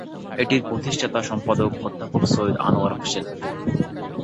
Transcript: এটির প্রতিষ্ঠাতা সম্পাদক অধ্যাপক সৈয়দ আনোয়ার হোসেন।